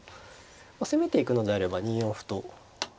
まあ攻めていくのであれば２四歩と打って。